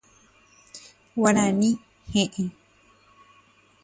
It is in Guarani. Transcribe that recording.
Guarani he'ẽ.